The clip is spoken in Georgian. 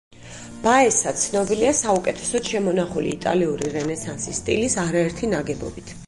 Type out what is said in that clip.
ბაესა ცნობილია საუკეთესოდ შემონახული, იტალიური რენესანსის სტილის არაერთი ნაგებობით.